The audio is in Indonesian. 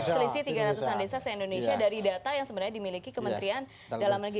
selisih tiga ratus an desa se indonesia dari data yang sebenarnya dimiliki kementerian dalam negeri